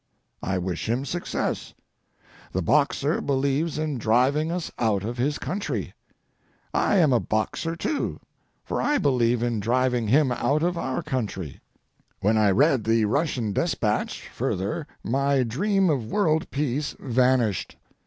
I wish him success. The Boxer believes in driving us out of his country. I am a Boxer too, for I believe in driving him out of our country. When I read the Russian despatch further my dream of world peace vanished.